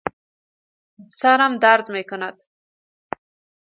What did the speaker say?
سرم درد میکند